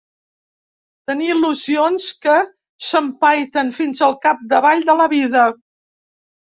Tenir il·lusions que s'empaiten fins al cap-d'avall de la vida